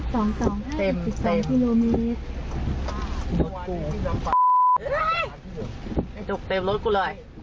หอคอลีลุจจะเติบพันมิตร